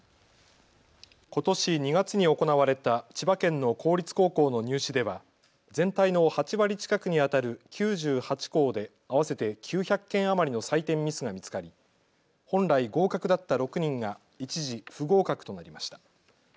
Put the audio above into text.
ことし２月に行われた千葉県の公立高校の入試では全体の８割近くにあたる９８校で合わせて９００件余りの採点ミスが見つかり本来、合格だった６人が一時不合格となりました。